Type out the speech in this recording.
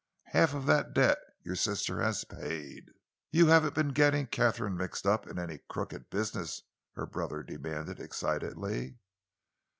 Half of that debt your sister has paid." "You haven't been getting Katharine mixed up in any crooked business?" her brother demanded excitedly.